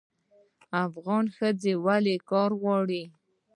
افغان ښځې ولې کار غواړي؟